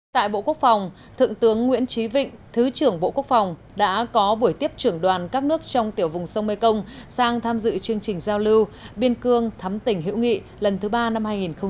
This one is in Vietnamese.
tại bộ quốc phòng thượng tướng nguyễn trí vịnh thứ trưởng bộ quốc phòng đã có buổi tiếp trưởng đoàn các nước trong tiểu vùng sông mekong sang tham dự chương trình giao lưu biên cương thắm tỉnh hữu nghị lần thứ ba năm hai nghìn một mươi chín